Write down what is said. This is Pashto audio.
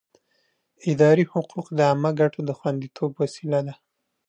اداري حقوق د عامه ګټو د خوندیتوب وسیله ده.